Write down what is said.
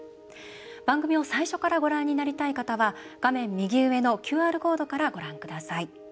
番組を最初からご覧になりたい方は画面右上のＱＲコードからご覧ください。